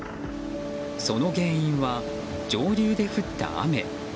その原因は、上流で降った雨。